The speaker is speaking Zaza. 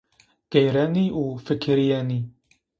Gêrenî û fikirîyenî